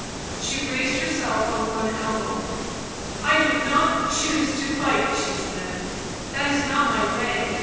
She raised herself on one elbow. "I do not choose to fight," she said; "that is not my way.